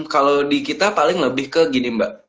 kalau di kita paling lebih ke gini mbak